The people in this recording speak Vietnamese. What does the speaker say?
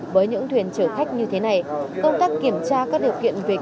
bởi những thuyền chở khách như thế này công tác kiểm tra các điều kiện về kiểm soát